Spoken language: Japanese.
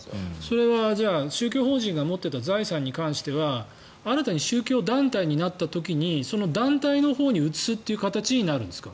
それは宗教法人が持っていた財産に関しては宗教団体になった時に移すという形になるんですか。